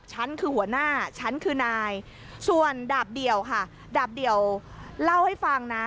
ฉันคือหัวหน้าฉันคือนายส่วนดาบเดียวค่ะดาบเดียวเล่าให้ฟังนะ